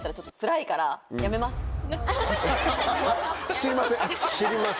知りません。